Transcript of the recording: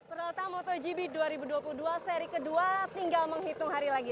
peralatan motogp dua ribu dua puluh dua seri kedua tinggal menghitung hari lagi